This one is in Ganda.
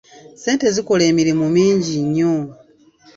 Ssente zikola emirimu mingi nnyo.